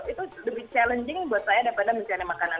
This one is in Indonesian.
itu lebih challenging buat saya daripada mencari makanan